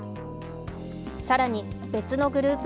更に別のグループ